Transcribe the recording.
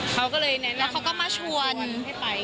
เขาก็เลยแนะนำมาเป็นคนให้ผมไป